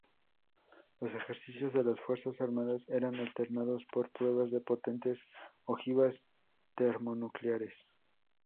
Los ejercicios de las Fuerzas armadas eran alternados por pruebas de potentes ojivas termonucleares.